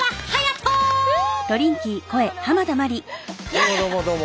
どうもどうもどうも。